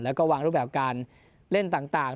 แล้วก็วางรูปแบบการเล่นต่าง